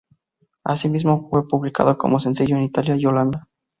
Asimismo, fue publicado como sencillo en Italia y Holanda.